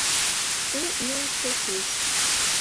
У илыш шочеш.